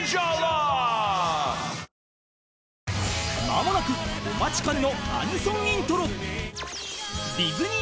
［間もなくお待ちかねのアニソンイントロ］